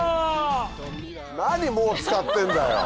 何もう使ってんだよ！